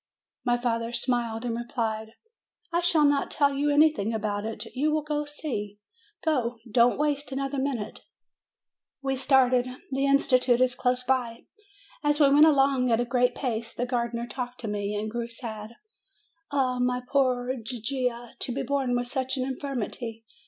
My father smiled, and replied: "I shall not tell you anything about it ; you will see ; go, go ; don't waste another minute !" We started. The institute is close by. As we went along at a great pace, the gardener talked to me, and grew sad. "Ah, my poor Gigia ! To be born with such an in firmity